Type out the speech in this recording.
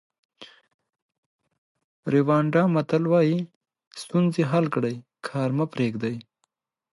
ریوانډا متل وایي ستونزې حل کړئ کار مه پریږدئ.